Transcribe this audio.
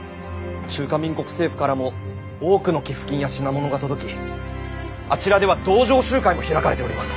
中華民国政府からも多くの寄付金や品物が届きあちらでは同情集会も開かれております。